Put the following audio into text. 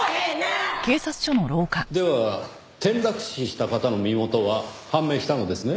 では転落死した方の身元は判明したのですね。